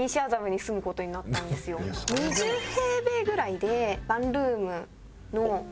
２０平米ぐらいでワンルームのお家。